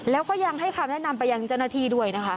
แล้วก็ยังให้คำแนะนำไปยังเจ้าหน้าที่ด้วยนะคะ